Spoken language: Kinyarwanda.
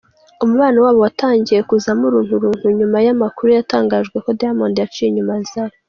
Umubano wabo watangiye kuzamo urunturuntu, nyuma y’amakuru yatangajwe ko Diamond yaciye inyuma Zari.